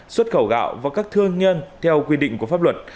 xuất khẩu gạo và các thương nhân theo quy định của pháp luật